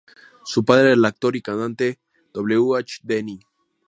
Su padre era el actor y cantante W. H. Denny.